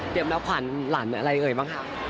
เตรียมรับขวัญหลานอะไรเก่งบ้างค่ะ